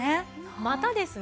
またですね